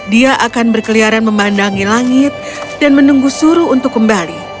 dia akan berkeliaran memandangi langit dan menunggu suruh untuk kembali